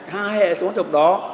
hai hệ xuống trong đó